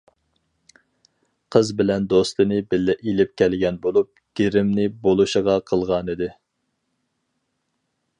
قىز بىر دوستىنى بىللە ئېلىپ كەلگەن بولۇپ، گىرىمنى بولۇشىغا قىلغانىدى.